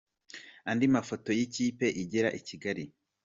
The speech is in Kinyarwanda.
Andi mafoto y’ikipe igera i Kigali.